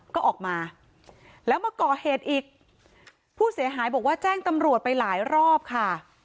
ก็ออกมาแล้วมาก่อเหตุอีกผู้เสียหายบอกว่าแจ้งตำรวจไปหลายรอบค่ะ